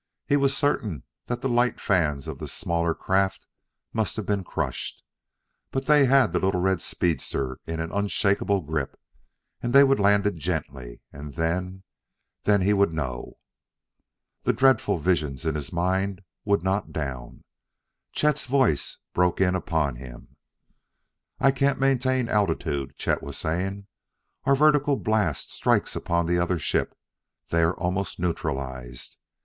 He was certain that the light fans of the smaller craft must have been crushed; but they had the little red speedster in an unshakable grip; and they would land it gently. And then then he would know! The dreadful visions in his mind would not down.... Chet's voice broke in upon him. "I can't maintain altitude," Chet was saying. "Our vertical blasts strike upon the other ship; they are almost neutralized."